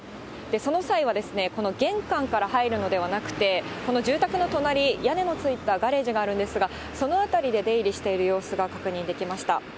その際はですね、この玄関から入るのではなくて、この住宅の隣、屋根のついたガレージがあるんですが、その辺りで出入りしている様子が確認できました。